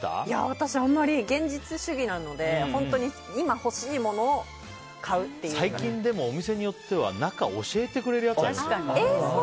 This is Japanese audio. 私あんまり現実主義なので今欲しいものを最近、でもお店によっては中を教えてくれるやつがある。